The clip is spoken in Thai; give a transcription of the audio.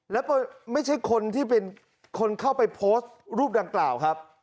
แล้วไม่ใช่คนที่เป็นคนเข้าไปโพสต์รูปดังกล่าวครับ